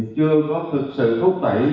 chưa có thực sự rút tẩy